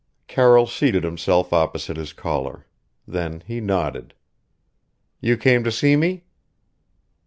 Carroll seated himself opposite his caller. Then he nodded. "You came to see me?"